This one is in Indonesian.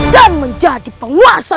dan menjadi penguasa